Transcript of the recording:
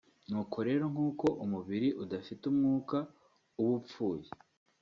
Nuko rero nk'uko umubiri udafite umwuka uba upfuye